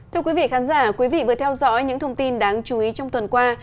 thưa quý vị khán giả quý vị vừa theo dõi những thông tin đáng chú ý trong tuần qua